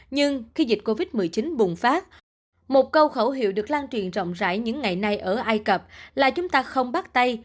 nhưng khi dịch covid một mươi chín bùng phát một câu khẩu hiệu được lan truyền rộng rãi những ngày nay ở ai cập là chúng ta không bắt tay